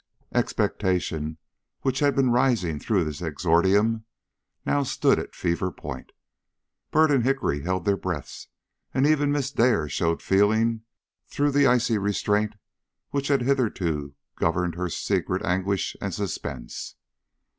Expectation, which had been rising through this exordium, now stood at fever point. Byrd and Hickory held their breaths, and even Miss Dare showed feeling through the icy restraint which had hitherto governed her secret anguish and suspense.